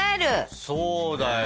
そうだよ。